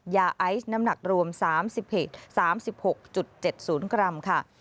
ยาไอซ์น้ำหนักรวม๓๖๗๐กรัมค่ะ